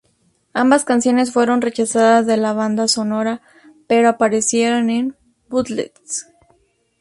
Ambas canciones fueron rechazadas de la banda sonora pero aparecieron en "bootlegs".